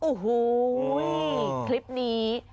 โอ้โหคลิปนี้